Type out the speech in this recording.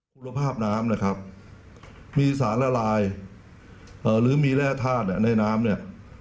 คุณภาพน้ำนะครับมีสารละลายเอ่อหรือมีแร่ทาสเนี้ยในน้ำเนี้ย